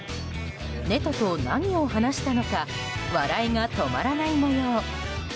ネトと何を話したのか笑いが止まらない模様。